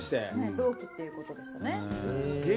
同期っていう事でしたね。